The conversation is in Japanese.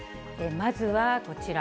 まずはこちら。